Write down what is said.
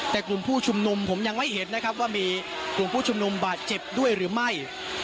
แต่กลุ่มผู้ชุมนุมผมยังไม่เห็นนะครับว่ามีกลุ่มผู้ชุมนุมบาดเจ็บด้วยหรือไม่